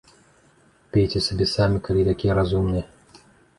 Пейце сабе самі, калі такія разумныя!